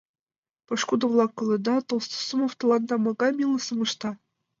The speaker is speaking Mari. Пошкудо-влак, колыда: Толстосумов тыланда могай милысым ышта?